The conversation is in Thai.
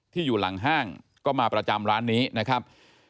อยู่หลังห้างก็มาประจำร้านนี้นะครับ